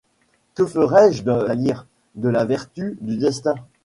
Que ferai-je de la lyre, De la vertu, du destin ?